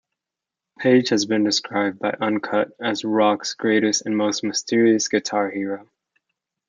Page has been described by "Uncut" as "rock's greatest and most mysterious guitar hero.